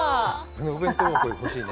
お弁当箱欲しいね。